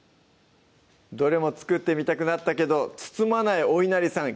どれも作ってみたくなったけど包まないおいなりさん